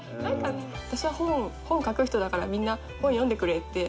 私は本書く人だからみんな本読んでくれって。